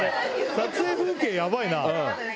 撮影風景ヤバいな。